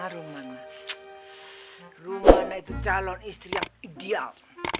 rumah itu calon istri yang ideal